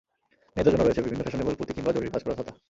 মেয়েদের জন্য রয়েছে বিভিন্ন ফ্যাশনেবল পুঁতি কিংবা জরির কাজ করা ছাতা।